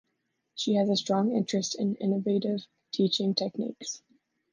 She has a strong interest in innovative teaching techniques.